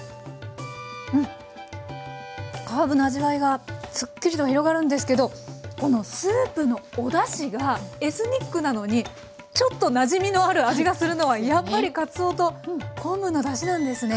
ハーブの味わいがすっきりと広がるんですけどこのスープのおだしがエスニックなのにちょっとなじみのある味がするのはやっぱりかつおと昆布のだしなんですね。